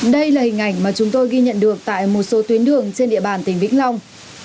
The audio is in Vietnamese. đây là hình ảnh mà chúng tôi ghi nhận được tại một số tuyến đường trên địa bàn tỉnh vĩnh long